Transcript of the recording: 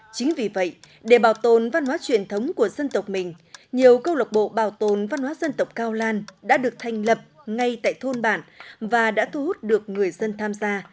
chính vì vậy để bảo tồn văn hóa truyền thống của dân tộc mình nhiều câu lạc bộ bảo tồn văn hóa dân tộc cao lan đã được thành lập ngay tại thôn bản và đã thu hút được người dân tham gia